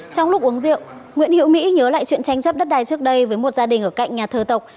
trong lúc uống rượu nguyễn hiễu mỹ nhớ lại chuyện tranh chấp đất đài trước đây với một gia đình ở cạnh nhà thờ tộc